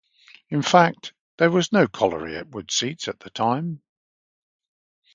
In fact, there was no colliery at Woodseats at the time.